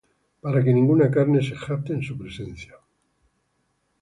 Para que ninguna carne se jacte en su presencia.